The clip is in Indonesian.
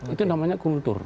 itu namanya kultur